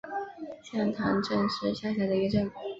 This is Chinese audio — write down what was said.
向塘镇是下辖的一个镇。